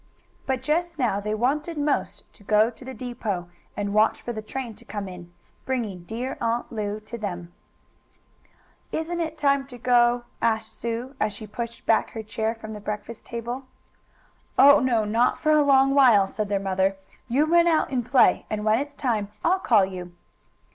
But just now they wanted most to go to the depot, and watch for the train to come in, bringing dear Aunt Lu to them. "Isn't it most time to go?" asked Sue, as she pushed back her chair from the breakfast table. "Oh, no, not for a long while," said their mother. "You run out and play, and when it's time, I'll call you."